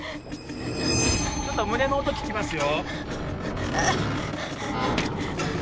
ちょっと胸の音聞きますよ